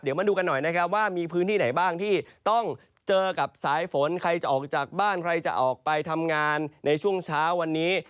เดี๋ยวมาดูกันหน่อยนะครับว่ามีพื้นที่ไหนบ้างที่ต้องเจอกับสายฝนใครจะออกจากบ้านใครจะออกไปทำงานในช่วงเช้าวันนี้